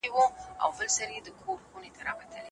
انتيک پلورونکي ساعت ته حيران و.